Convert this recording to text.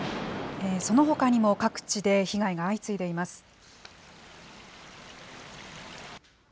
そのほかにも各地で被害が相次いでいます。